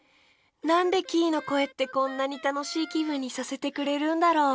なんでキイのこえってこんなにたのしいきぶんにさせてくれるんだろう。